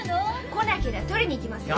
来なけりゃ取りに行きますよ。